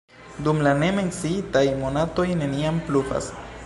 Dum la ne menciitaj monatoj neniam pluvas.